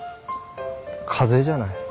風邪じゃない？